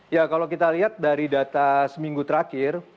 ya kalau kita lihat dari data seminggu terakhir